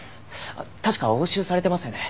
確か押収されてますよね。